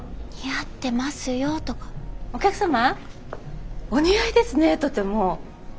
お客様お似合いですねとても。